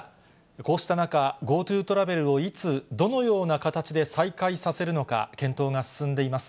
こうした中、ＧｏＴｏトラベルをいつ、どのような形で再開させるのか、検討が進んでいます。